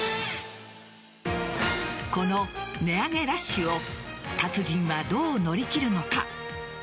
この値上げラッシュを達人はどう乗り切るのか。